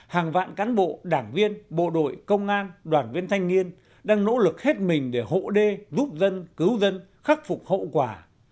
hàng vạn cán bộ đảng viên bộ đội công an đoàn viên thanh niên đang nỗ lực hết mình để hộ đê giúp dân cứu dân khắc phục hậu quả